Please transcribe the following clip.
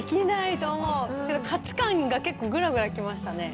けど、価値観が結構ぐらぐらきましたね。